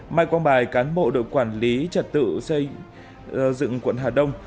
mai quang bài cán bộ đội quản lý trật tự xây dựng quận hà đông